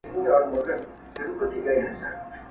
ده هم آس كړ پسي خوشي په ځغستا سو!.